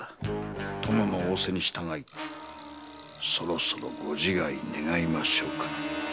殿の仰せに従いそろそろご自害願いましょうか。